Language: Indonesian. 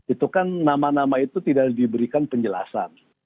itu kan nama nama itu tidak diberikan penjelasan